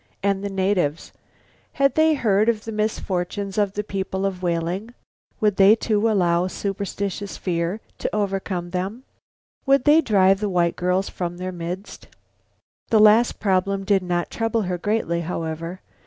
And the natives? Had they heard of the misfortunes of the people of Whaling? Would they, too, allow superstitious fear to overcome them? Would they drive the white girls from their midst? This last problem did not trouble her greatly, however.